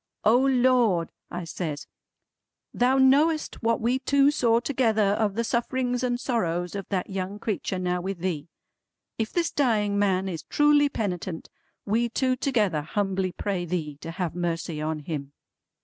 "O Lord" I says "Thou knowest what we two saw together of the sufferings and sorrows of that young creetur now with Thee. If this dying man is truly penitent, we two together humbly pray Thee to have mercy on him!"